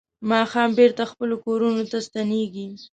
ماښام بېرته خپلو کورونو ته ستنېږي.